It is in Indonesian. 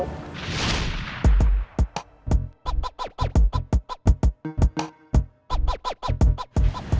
nggak ada kecuali gini